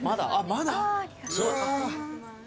まだ？